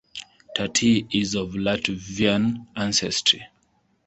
Tati is of Latvian ancestry.